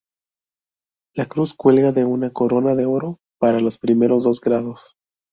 La cruz cuelga de una corona de oro para los primeros dos grados.